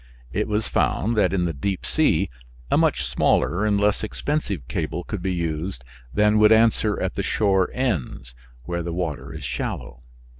It was found that in the deep sea a much smaller and less expensive cable could be used than would answer at the shore ends, where the water is shallow.